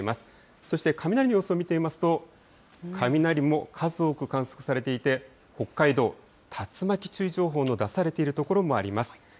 そして雷の様子を見てみますと、雷も数多く観測されていて、北海道、竜巻注意情報の出されている所もあります。